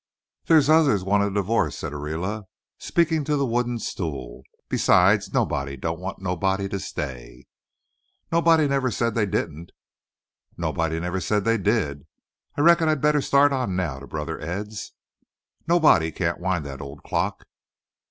"There's others wanted a divo'ce," said Ariela, speaking to the wooden stool. "Besides, nobody don't want nobody to stay." "Nobody never said they didn't." "Nobody never said they did. I reckon I better start on now to brother Ed's." "Nobody can't wind that old clock."